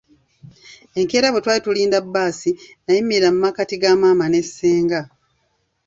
Enkeera bwe twali tulinda bbaasi, nayimirira mu makkati ga maama ne ssenga .